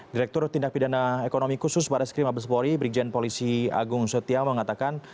direktur tindak bidana ekonomi khusus badan resiliense kriminal mabespori brikjen polisi agung setia mengatakan